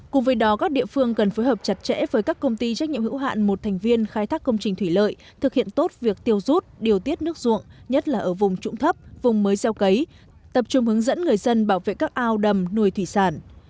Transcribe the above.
cùng với đó các địa phương cần phối hợp chặt chẽ với các công ty trách nhiệm hữu hạn một thành viên khai thác công trình thủy lợi thực hiện tốt việc tiêu rút điều tiết nước ruộng nhất là ở vùng trụng thấp vùng mới gieo cấy tập trung hướng dẫn người dân bảo vệ các ao đầm nuôi thủy sản